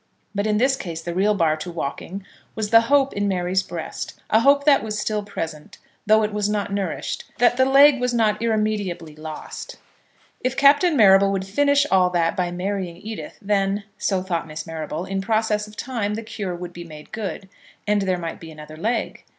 But in this case, the real bar to walking was the hope in Mary's breast, a hope that was still present, though it was not nourished, that the leg was not irremediably lost. If Captain Marrable would finish all that by marrying Edith, then, so thought Miss Marrable, in process of time the cure would be made good, and there might be another leg.